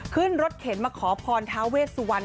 ขึ้นรถเข็นมาขอพรทาเวสวัน